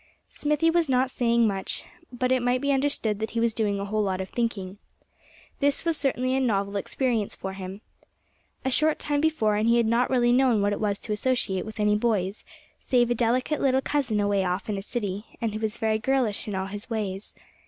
Smithy was not saying much, but it might be understood that he was doing a whole lot of thinking. This was certainly a novel experience for him. A short time before, and he had not really known what it was to associate with any boys save a delicate little cousin away off in a city, and who was very girlish in all his ways.